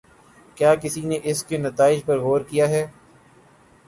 کیا کسی نے اس کے نتائج پر غور کیا ہے؟